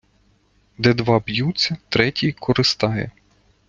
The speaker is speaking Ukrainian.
Де два б'ються, третій користає.